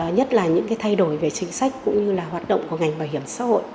nhất là những thay đổi về chính sách cũng như hoạt động của ngành bảo hiểm xã hội